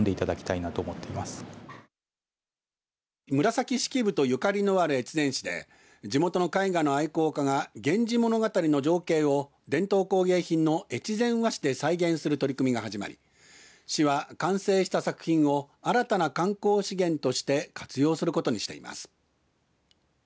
紫式部とゆかりのある越前市で地元の絵画の愛好家が源氏物語の情景を伝統工芸品の越前和紙で再現する取り組みが始まり市は完成した作品を新たな観光資源として活用することにしています。